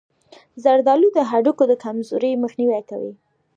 زردآلو د هډوکو د کمزورۍ مخنیوی کوي.